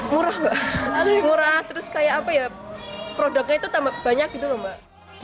murah mbak murah terus kayak apa ya produknya itu tambah banyak gitu loh mbak